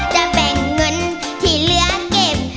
จะแบ่งเงินที่เหลือเก็บ